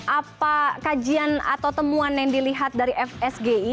apa kajian atau temuan yang dilihat dari fsgi